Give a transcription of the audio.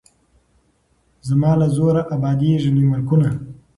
زما له زوره ابادیږي لوی ملکونه